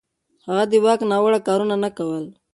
هغه د واک ناوړه کارونه نه کول.